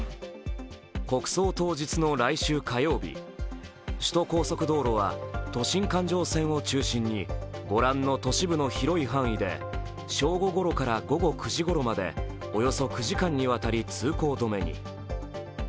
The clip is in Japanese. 国葬当日の来週火曜日、首都高速道路は都心環状線を中心にご覧の都市部の広い範囲で正午ごろから午後９時ごろまでおよそ９時間にわたり通行止めに。